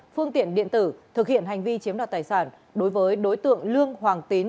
phương tiện điện tử thực hiện hành vi chiếm đoạt tài sản đối với đối tượng lương hoàng tín